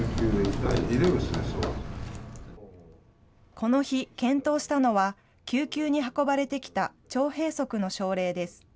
この日、検討したのは、救急に運ばれてきた腸閉塞の症例です。